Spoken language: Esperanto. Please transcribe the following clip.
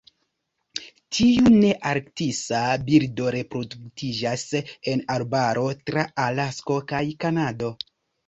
Tiu nearktisa birdo reproduktiĝas en arbaroj tra Alasko kaj Kanado.